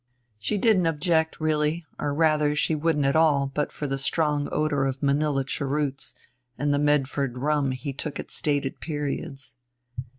She didn't object, really, or rather she wouldn't at all but for a strong odor of Manilla cheroots and the Medford rum he took at stated periods.